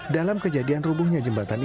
dalam kejadian rubuhnya jembatan ini